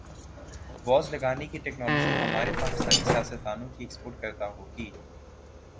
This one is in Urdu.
واز لگانے کی ٹیکنالوجی ہمارے پاکستانی سیاستدا نوں کی ایکسپورٹ کردہ ہوگی